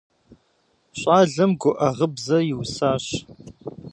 Щӏалэм гуӏэ гъыбзэ иусащ.